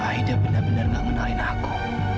aida benar benar gak kenalin aku